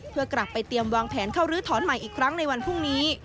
เพื่อกลับไปเตรียมวางแผนเข้าลื้อถอนใหม่อีกครั้งในวันพรุ่งนี้